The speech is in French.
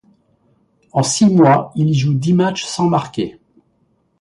En six mois, il y joue dix matchs sans marquer.